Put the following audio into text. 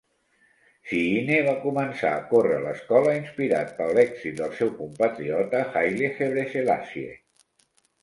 Sihine va començar a córrer a l'escola, inspirat pels èxits del seu compatriota Haile Gebrselassie.